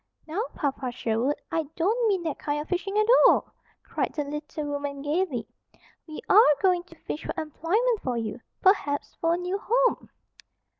"Now, Papa Sherwood, I don't mean that kind of fishing at all!" cried the little woman gaily. "We are going to fish for employment for you, perhaps for a new home."